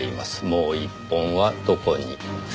もう１本はどこに？